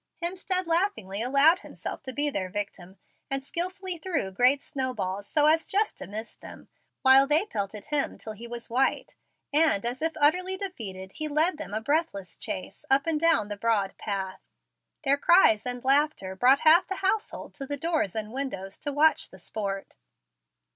Hemstead laughingly allowed himself to be their victim, and skilfully threw great snow balls so as just to miss them, while they pelted him till he was white, and, as if utterly defeated, he led them a breathless chase up and down the broad path. Their cries and laughter brought half the household to the doors and windows to watch the sport.